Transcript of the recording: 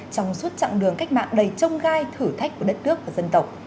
trong suốt chặng đường cách mạng đầy trông gai thử thách của đất nước và dân tộc